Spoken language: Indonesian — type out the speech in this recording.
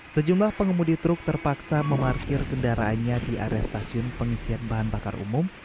sejumlah pengemudi truk terpaksa memarkir kendaraannya di area stasiun pengisian bahan bakar umum